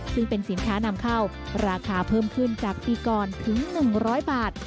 ซึ่งเป็นสินค้านำเข้าราคาเพิ่มขึ้นจากปีก่อนถึง๑๐๐บาท